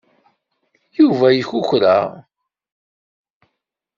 Yuba yekukra.